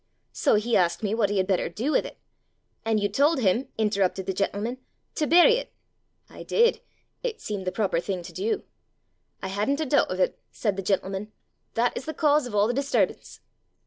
So he asked me what he had better do with it.' 'And you told him,' interrupted the gentleman, 'to bury it!' 'I did; it seemed the proper thing to do.' 'I hadn't a doubt of it!' said the gentleman: 'that is the cause of all the disturbance.